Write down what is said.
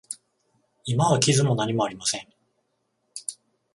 今は傷も何もありません。